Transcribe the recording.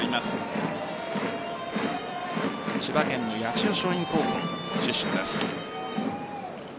千葉県の八千代松陰高校の出身です。